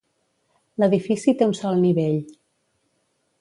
L'edifici té un sol nivell.